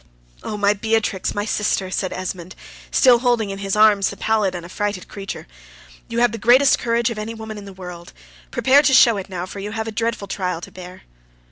"Oh, my Beatrix, my sister!" says Esmond, still holding in his arms the pallid and affrighted creature, "you have the greatest courage of any woman in the world; prepare to show it now, for you have a dreadful trial to bear."